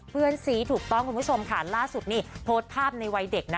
เฟือนสีคุณผู้ชมค่ะล่าสุดนี้โพสต์ภาพในวัยเด็กนะ